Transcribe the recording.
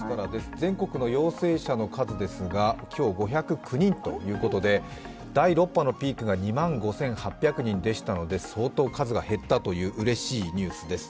全国の陽性者の数ですが今日、５０９人ということで第６波のピークが２万５８００人でしたので相当数が減ったといううれしいニュースです。